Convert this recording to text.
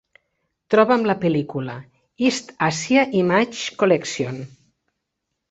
Troba'm la pel.lícula East Asia Image Collection.